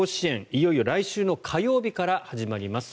いよいよ来週火曜日から始まります。